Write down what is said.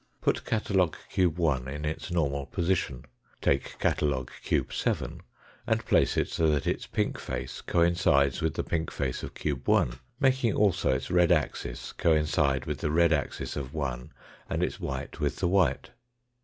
Put catalogue cube 1 in its normal position. Take catalogue cube 7 and place it so that its pink face coincides with the pink face of cube 1, making also its red axis coincide with the red axis of 1 and its white with the white.